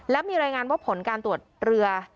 และมีรายงานว่าผลการตรวจเรือ